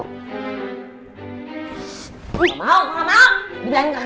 nggak mau nggak mau